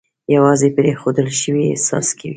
یوازې پرېښودل شوی احساس کوي.